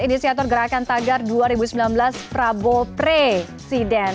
inisiator gerakan tagar dua ribu sembilan belas prabowo presiden